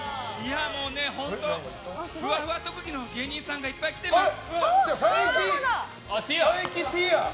ふわふわ特技の芸人さんがいっぱい来ています。